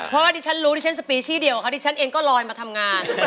เพราะว่าดิฉันรู้ดิฉันสปีชี่เดียวกับเขาดิฉันเองก็ลอยมาทำงาน